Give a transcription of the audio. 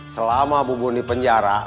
selama bubun di penjara